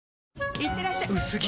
いってらっしゃ薄着！